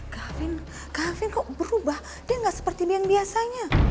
gavin gavin kok berubah dia gak seperti yang biasanya